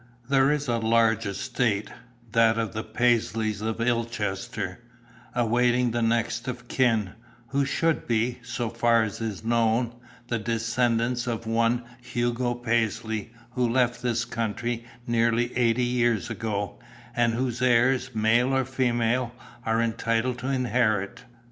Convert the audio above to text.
"There is a large estate, that of the Paisleys of Illchester, awaiting the next of kin, who should be, so far as is known, the descendants of one Hugo Paisley who left this country nearly eighty years ago, and whose heirs, male or female, are entitled to inherit.